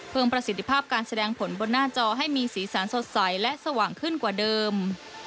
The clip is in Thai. ประสิทธิภาพการแสดงผลบนหน้าจอให้มีสีสันสดใสและสว่างขึ้นกว่าเดิม